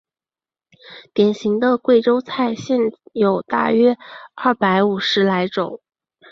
典型的贵州菜现有大约有二百五十来种。